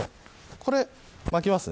これ巻きますね。